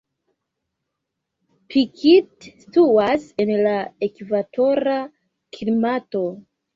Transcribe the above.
Pikit situas en la ekvatora klimato.